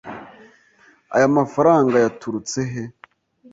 Aya mafaranga yaturutse he?